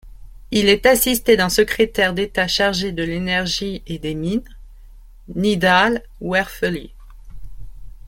Il est assisté d'un secrétaire d'État chargé de l'Énergie et des Mines, Nidhal Ouerfelli.